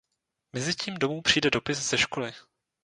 Mezitím domů přijde dopis ze školy.